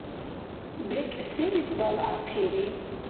БекӀ селис бялгӀяхъири?